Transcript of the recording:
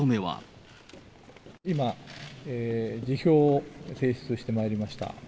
今、辞表を提出してまいりました。